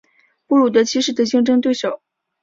布鲁德七世的竞争对手。